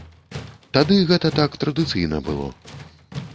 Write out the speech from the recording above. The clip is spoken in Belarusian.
Тады гэта так традыцыйна было.